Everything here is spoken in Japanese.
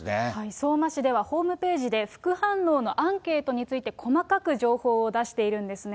相馬市ではホームページで、副反応のアンケートについて、細かく情報を出しているんですね。